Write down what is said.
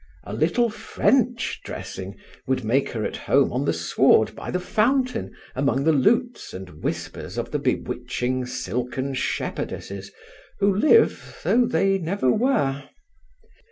A little French dressing would make her at home on the sward by the fountain among the lutes and whispers of the bewitching silken shepherdesses who live though they never were.